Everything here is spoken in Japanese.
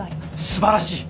素晴らしい。